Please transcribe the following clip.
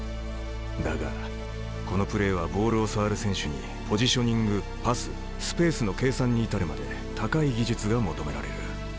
だがこのプレーはボールを触る選手にポジショニングパススペースの計算に至るまで高い技術が求められる。